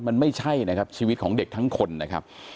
มันไม่ใช่นะครับชีวิตของเด็กทั้งคนนะครับ